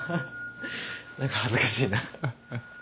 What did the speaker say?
何か恥ずかしいな。